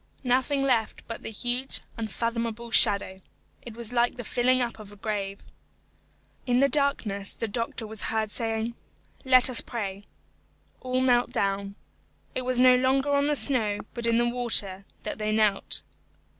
Nothing left but the huge, unfathomable shadow. It was like the filling up of the grave. In the darkness the doctor was heard saying, "Let us pray." All knelt down. It was no longer on the snow, but in the water, that they knelt.